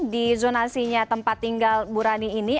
di zonasinya tempat tinggal burani ini